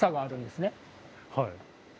はい。